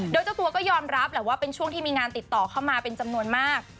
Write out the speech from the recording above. โดยเจ้าตัวก็ยอมรับแหละว่าเป็นช่วงที่มีงานติดต่อเข้ามาเป็นจำนวนมาก